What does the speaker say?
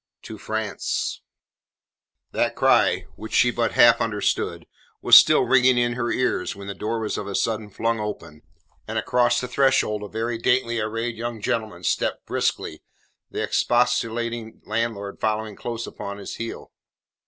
TO FRANCE That cry, which she but half understood, was still ringing in her ears, when the door was of a sudden flung open, and across the threshold a very daintily arrayed young gentleman stepped briskly, the expostulating landlord following close upon his heels.